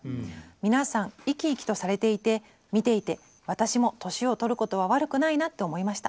皆さん生き生きとされていて見ていて私も年をとることは悪くないなって思いました。」。